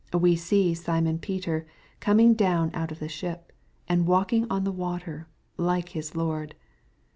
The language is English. Wa j Bee Simon Peter coming down out of the ship, and walk^ ! ing on the water, like His Lord.